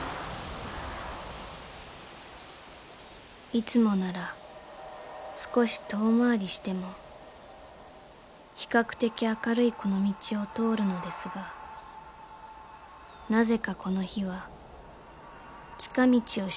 ［いつもなら少し遠回りしても比較的明るいこの道を通るのですがなぜかこの日は近道をしてみようと思ったのです］